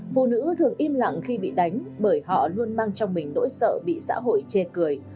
phụ nữ thường im lặng khi bị đánh bởi họ luôn mang trong mình nỗi sợ bị xã hội che cười